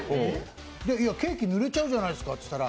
いや、ケーキ濡れちゃうじゃないですか。